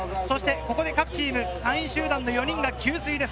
ここで各チーム３位集団の４人が給水です。